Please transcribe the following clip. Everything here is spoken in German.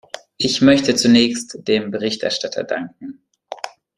Ich möchte zunächst dem Berichterstatter danken.